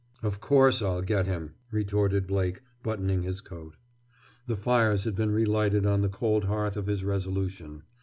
"Of course I'll get him," retorted Blake, buttoning his coat. The fires had been relighted on the cold hearth of his resolution.